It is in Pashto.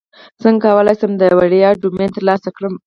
څنګه کولی شم د وړیا ډومین ترلاسه کړم